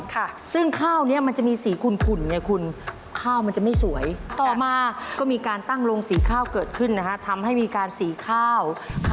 เขาเจ้าหูข้าวแบบสวยไว้ให้สำหรับ